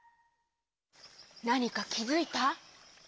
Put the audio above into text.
なにかきづいた？